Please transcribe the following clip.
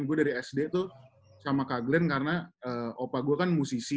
gue dari sd tuh sama kak glenn karena opa gue kan musisi